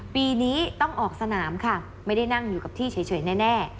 ปีนี้ต้องออกสนามค่ะไม่ได้นั่งอยู่กับที่เฉยแน่